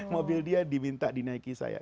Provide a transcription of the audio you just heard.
mobil dia diminta dinaiki saya